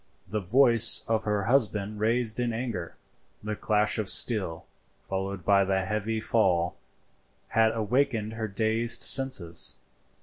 The voice of her husband raised in anger, the clash of steel, followed by the heavy fall, had awakened her dazed senses.